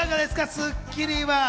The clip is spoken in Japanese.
『スッキリ』は。